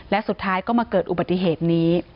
และสุดท้ายก็มาเกิดอุบัติเหตุนี้